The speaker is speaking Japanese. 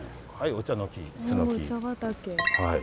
おお茶畑。